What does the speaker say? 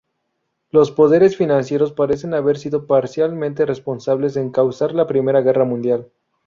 Los poderes financieros parecen haber sido parcialmente responsables en causar la Primera Guerra Mundial.